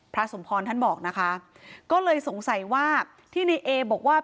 พระสมพรท่านบอกนะคะก็เลยสงสัยว่าที่ในเอบอกว่า